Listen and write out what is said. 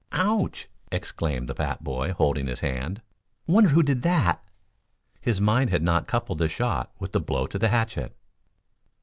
"Ouch!" exclaimed the fat boy holding his hand. "Wonder who did that?" His mind had not coupled the shot with the blow on the hatchet.